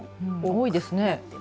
多いですね。